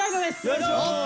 よいしょ！